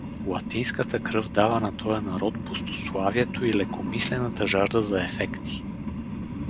Латинската кръв дава на тоя народ пустославието и лекомислената жажда за ефекти.